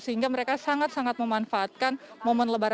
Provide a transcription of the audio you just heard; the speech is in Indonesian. sehingga mereka sangat sangat memanfaatkan momen lebaran